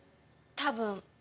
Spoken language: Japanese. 多分。